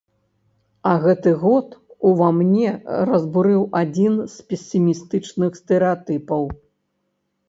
А гэты год ува мне разбурыў адзін з песімістычных стэрэатыпаў.